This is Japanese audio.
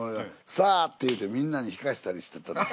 「さあ！」って言うてみんなに敷かせたりしてたんです。